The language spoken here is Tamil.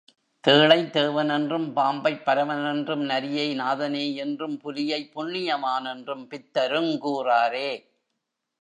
தேளைத் தேவனென்றும், பாம்பைப் பரமனென்றும், நரியை நாதனே என்றும், புலியை புண்ணியவானென்றும், பித்தருங் கூறாரே!